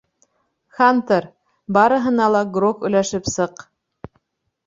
Хантер, барыһына ла грог өләшеп сыҡ.